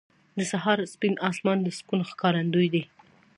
• د سهار سپین اسمان د سکون ښکارندوی دی.